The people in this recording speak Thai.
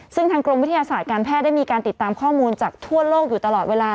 ซึ่งทางกรมวิทยาศาสตร์การแพทย์ได้มีการติดตามข้อมูลจากทั่วโลกอยู่ตลอดเวลา